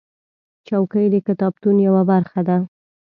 چوکۍ د کتابتون یوه برخه ده.